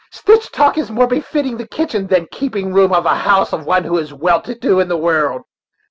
Sitch talk is more befitting the kitchen than the keeping room of a house of one who is well to do in the world."